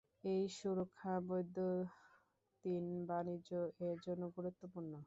এই সুরক্ষা বৈদ্যুতিন বাণিজ্য এর জন্য গুরুত্বপূর্ণ।